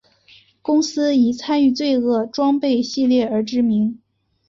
公司以参与罪恶装备系列而知名。